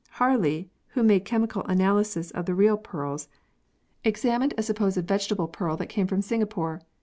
Harley, who made chemical analyses of the real pearls, examined a supposed vegetable 124 PEARLS [CH. pearl that came from Singapore.